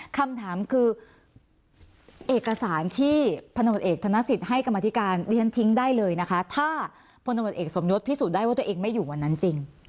คำถามคือเอกสารที่พนมเอกสมยศให้กรรมธิการทิ้งได้เลยนะคะถ้าพนมเอกสมยศพิสูจน์ได้ว่าตัวเองไม่อยู่วันนั้นจริง